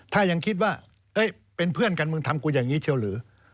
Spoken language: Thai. ถ้ายังคิดว่าเป็นเพื่อนกันมึงทำกูอย่างนี้เชียวหรือ